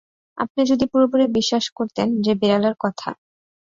আপনি যদি পুরোপুরি বিশ্বাস করতেন যে বিড়ালের কথা।